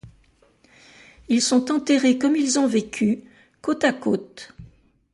Ils sont enterrés comme ils ont vécu : côte à côte.